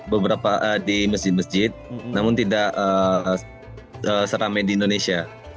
beberapa di masjid masjid namun tidak seramai di indonesia